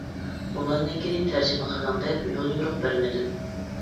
ئۇلارنىڭكىنى تەرجىمە قىلىڭ دەپ يوليورۇق بەرمىدىم.